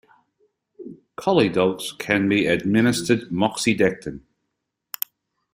Collie dogs can be administered moxidectin.